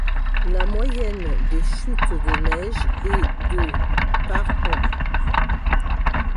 La moyenne des chutes de neige est de par an.